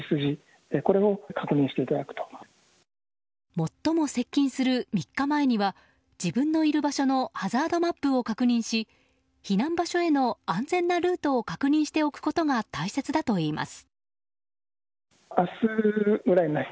最も接近する３日前には自分のいる場所のハザードマップを確認し避難場所への安全なルートを確認しておくことが大切だといいます。